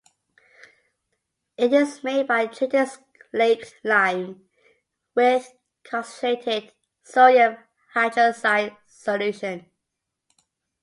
It is made by treating slaked lime with concentrated sodium hydroxide solution.